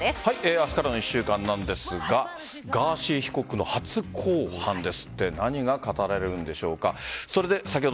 明日からの１週間なんですがガーシー被告の初公判です。